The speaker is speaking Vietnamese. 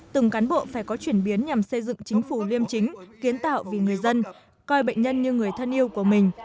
từng cán bộ phải có chuyển biến nhằm xây dựng chính phủ liêm chính kiến tạo vì người dân coi bệnh nhân như người thân yêu của mình